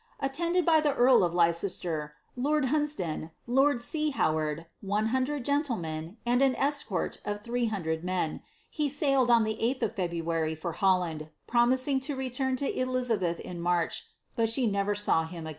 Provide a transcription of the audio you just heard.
Attended by the earl of Leicester, lord Hunsdon, lord C. Howard, one hundred gentlemen, and an escort of three hundred men, he sailed on the 8th of February for Holland, promising to return to Elizabeth in March, but she never saw him again.'